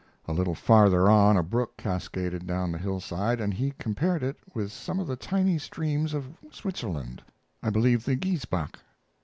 A little farther on a brook cascaded down the hillside, and he compared it with some of the tiny streams of Switzerland, I believe the Giessbach.